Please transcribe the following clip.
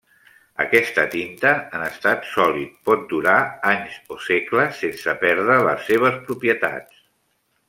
Aquesta tinta, en estat sòlid, pot durar anys o segles sense perdre les seves propietats.